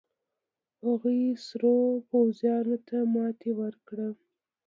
هغوې سرو پوځيانو ته ماتې ورکړه.